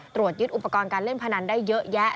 ตรวจยึดอุปกรณ์การเล่นพนันได้เยอะแยะ